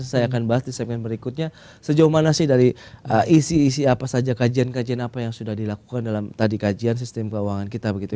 saya akan bahas di segmen berikutnya sejauh mana sih dari isi isi apa saja kajian kajian apa yang sudah dilakukan dalam tadi kajian sistem keuangan kita begitu